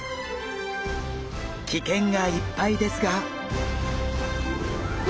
危険がいっぱいですが。